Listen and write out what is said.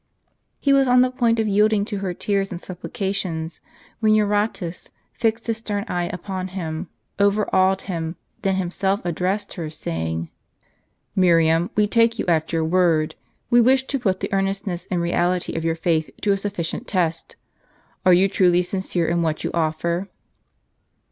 He was on the point of yielding to her tears and supplications, when Eui'otas fixed his stern eye upon him, overawed him, then himself addressed her, saying :" Miriam, we take you at your word. We wish to put the earnestness and reality of your faith to a sufficient test. Are you truly sincere in what you offer